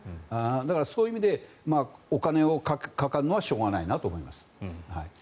だからそういう意味でお金がかかるのはしょうがないなと思います。